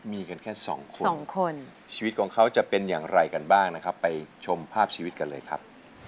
มีกันแค่สองคนสองคนชีวิตของเขาจะเป็นอย่างไรกันบ้างนะครับไปชมภาพชีวิตกันเลยครับ